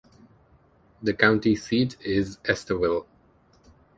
The county seat is Estherville.